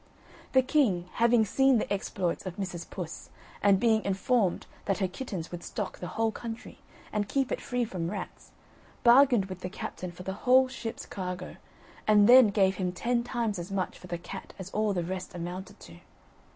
The king, having seen the exploits of Mrs. Puss, and being informed that her kittens would stock the whole country, and keep it free from rats, bargained with the captain for the whole ship's cargo, and then gave him ten times as much for the cat as all the rest amounted to.